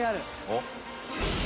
おっ？